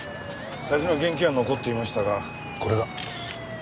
財布の現金は残っていましたがこれが。